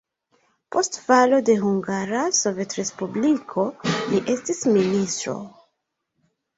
Post falo de Hungara Sovetrespubliko li estis ministro.